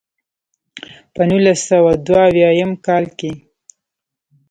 پۀ نولس سوه دوه اويا يم کال کښې